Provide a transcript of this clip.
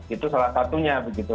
itu salah satunya begitu